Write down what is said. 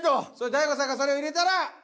大悟さんがそれを入れたら。